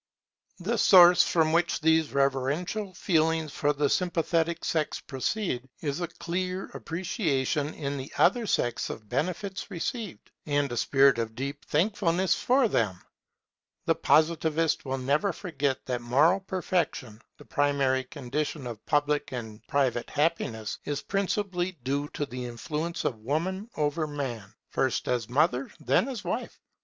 The source from which these reverential feelings for the sympathetic sex proceed, is a clear appreciation in the other sex of benefits received, and a spirit of deep thankfulness for them. The Positivist will never forget that moral perfection, the primary condition of public and private happiness, is principally due to the influence of Woman over Man, first as mother, then as wife.